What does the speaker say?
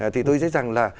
thì tôi sẽ rằng là